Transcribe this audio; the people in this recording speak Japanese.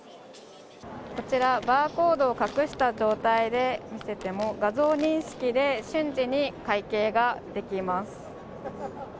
こちら、バーコードを隠した状態で見せても画像認識で瞬時に会計ができます。